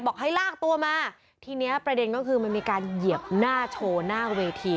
บอกให้ลากตัวมาทีเนี้ยประเด็นก็คือมันมีการเหยียบหน้าโชว์หน้าเวที